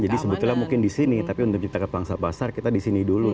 jadi sebetulnya mungkin di sini tapi untuk menciptakan pangsa pasar kita di sini dulu